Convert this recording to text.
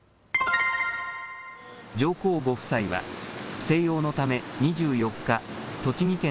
上皇ご夫妻は静養のため２４日、栃木県